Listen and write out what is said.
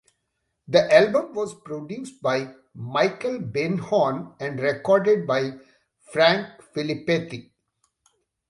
The album was produced by Michael Beinhorn and recorded by Frank Filipetti.